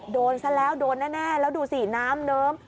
โดนซะแล้วโดนแน่แล้วดูสิน้ำเนิ้ม